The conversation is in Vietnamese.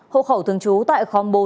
hộ khẩu thường trú tại khóm bốn